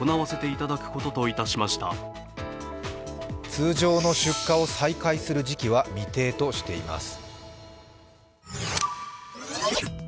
通常の出荷を再開する時期は未定としています。